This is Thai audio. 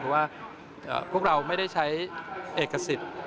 เพราะว่าพวกเราไม่ได้ใช้เอกสิทธิ์